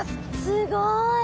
すごい。